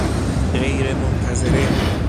غیر منتظره